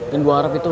mungkin gue harap itu